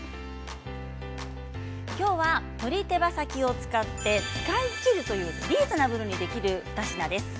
今日は鶏手羽先を使い切るというリーズナブルにできる２品です。